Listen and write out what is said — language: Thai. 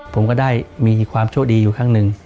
ผมก็ได้มีความโชคดีอยู่ข้างหนึ่ง